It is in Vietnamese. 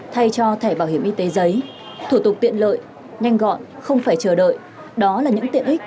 thay cho thẻ bảo hiểm y tế giấy thủ tục tiện lợi nhanh gọn không phải chờ đợi đó là những tiện ích